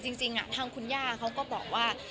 จริงทางคุณย่าเขาก็บอกว่า